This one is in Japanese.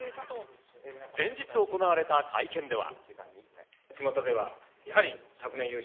前日行われた会見では。